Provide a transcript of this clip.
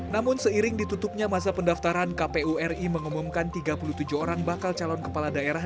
namun seiring ditutupnya masa pendaftaran kpu ri mengumumkan tiga puluh tujuh orang bakal calon kepala daerah